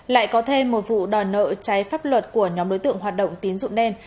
lại có thêm một vụ đòi nợ trái pháp luật của nhóm đối tượng hoạt động tín dụng đen